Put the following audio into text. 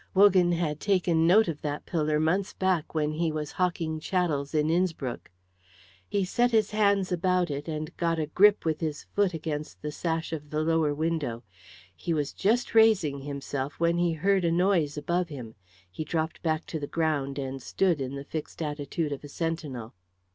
Wogan had taken note of that pillar months back when he was hawking chattels in Innspruck. He set his hands about it and got a grip with his foot against the sash of the lower window. He was just raising himself when he heard a noise above him. He dropped back to the ground and stood in the fixed attitude of a sentinel.